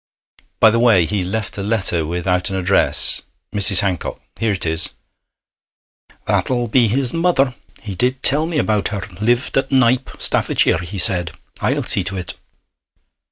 'By the way, he left a letter without an address. Mrs. Hancock here it is.' 'That'll be his mother; he did tell me about her lived at Knype, Staffordshire, he said. I'll see to it.'